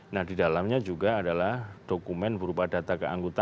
nah di dalamnya juga adalah dokumen berupa data keanggotaan